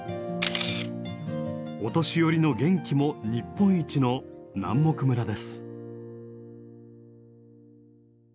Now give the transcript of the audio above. お年寄りの元気も日本一の南牧村です。